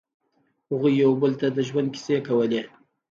هغوی یو بل ته د ژوند کیسې کولې.